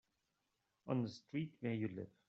On the street where you live.